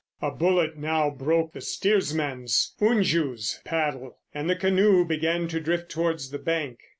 A bullet now broke the steersman's, Unju's, paddle, and the canoe began to drift towards the bank.